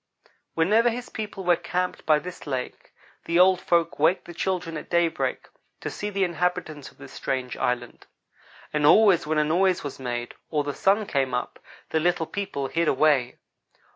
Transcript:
Whenever his people were camped by this lake the old folks waked the children at daybreak to see the inhabitants of this strange island; and always when a noise was made, or the sun came up, the little people hid away.